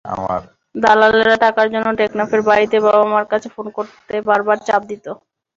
দালালেরা টাকার জন্য টেকনাফের বাড়িতে বাবা-মার কাছে ফোন করতে বারবার চাপ দিত।